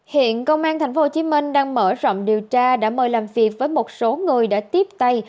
hiện công an tp hcm đang mở rộng điều tra đã mời làm việc với một số người đã tiếp tay